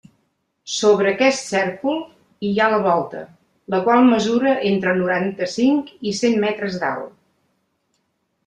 Sobre aquest cèrcol hi ha la volta, la qual mesura entre noranta-cinc i cent metres d'alt.